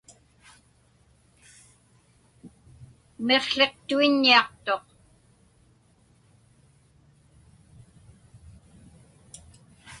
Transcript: Miqłiqtuiññiaqtuq.